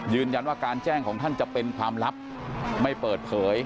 ยืนยันว่าการแจ้งของท่านจะเป็นความลับไม่เปิดเผย